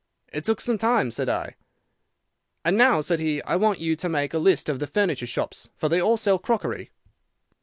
"'It took some time,' said I. "'And now,' said he, 'I want you to make a list of the furniture shops, for they all sell crockery.